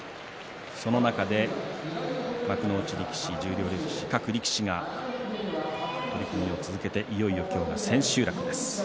その中で幕内力士、十両力士各力士が取組を続けていよいよ今日が千秋楽です。